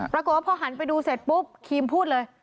ปรากฏว่าพอหันไปดูเสร็จปุ๊บครีมพูดเลย